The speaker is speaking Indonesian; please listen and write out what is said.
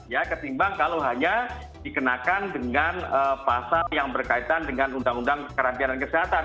ya ketimbang kalau hanya dikenakan dengan pasal yang berkaitan dengan undang undang karantina kesehatan